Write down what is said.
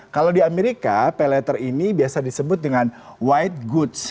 kalau di amerika pay letter ini biasa disebut dengan white goods